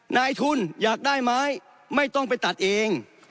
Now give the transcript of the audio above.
นายทุนอยากได้ไม้ไม่ต้องไปตัดเอง